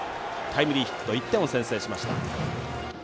タイムリーヒット１点を先制しました。